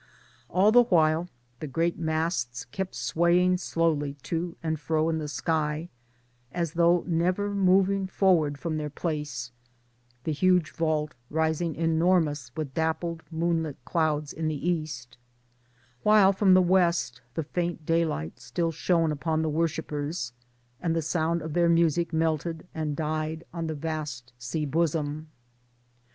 All the while the great masts kept swaying slowly to and fro in the sky ŌĆö as though never moving forward from their place ŌĆö the huge vault rising enormous with dappled moonlit clouds in the east ; While from the west the faint daylight still shone upon the worshipers, and the sound of their music melted and died on the vast sea bosom.